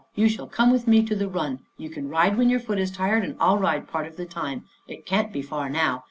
You shall come with me to the run. You can ride when your foot is tired and I'll ride part of the time. It can't be far now.